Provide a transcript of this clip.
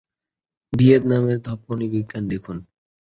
ভিয়েতনামের ধ্বনিবিজ্ঞান দেখুন।